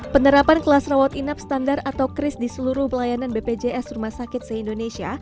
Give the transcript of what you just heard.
penerapan kelas rawat inap standar atau kris di seluruh pelayanan bpjs rumah sakit se indonesia